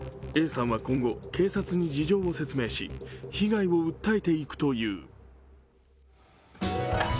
Ａさんは今後、警察に事情を説明し、被害を訴えていくという。